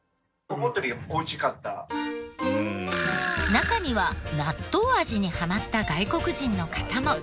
中には納豆味にハマった外国人の方も。